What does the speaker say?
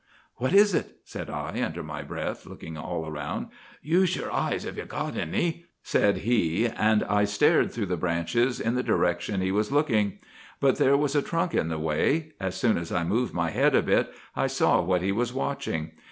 "'"What is it?" said I, under my breath, looking all around. "'"Use your eyes if you've got any," said he; and I stared through the branches in the direction he was looking. But there was a trunk in the way. As soon as I moved my head a bit, I saw what he was watching.